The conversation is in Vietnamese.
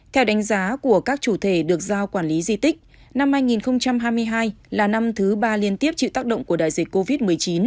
theo đánh giá của các chủ thể được giao quản lý di tích năm hai nghìn hai mươi hai là năm thứ ba liên tiếp chịu tác động của đại dịch covid một mươi chín